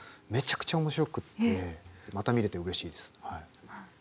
めちゃくちゃ面白くってまた見れてうれしいです。